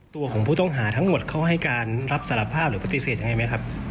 ตัวของผู้ต้องหาทั้งหมดเขาให้การรับสารภาพหรือปฏิเสธยังไงไหมครับ